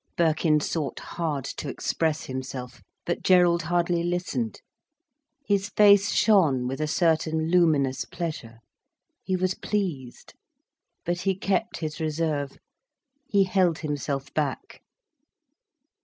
Birkin sought hard to express himself. But Gerald hardly listened. His face shone with a certain luminous pleasure. He was pleased. But he kept his reserve. He held himself back.